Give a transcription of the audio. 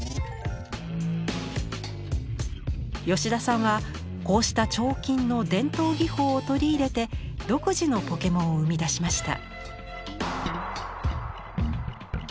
吉田さんはこうした彫金の伝統技法を取り入れて独自のポケモンを生み出しました。